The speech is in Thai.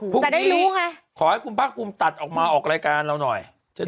ขอให้คุณป๊ากลุงตัดออกมาสนับเลขรายการเราหน่อย